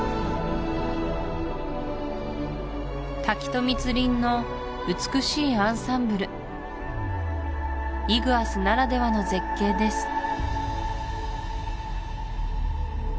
滝と密林の美しいアンサンブルイグアスならではの絶景です